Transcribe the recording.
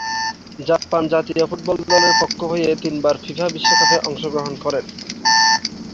Japan জাতীয় football দলের পক্ষ হয়ে তিনবার ফিফা বিশ্বকাপে অংশগ্রহণ করেন।